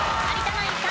ナイン３